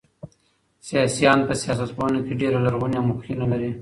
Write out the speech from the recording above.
سياسي آند په سياست پوهنه کي ډېره لرغونې مخېنه لري.